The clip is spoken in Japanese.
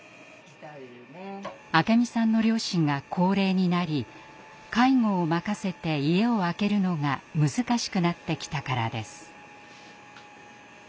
明美さんの両親が高齢になり介護を任せて家を空けるのが難しくなってきたからです。